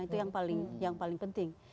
itu yang paling penting